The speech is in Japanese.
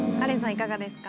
いかがですか？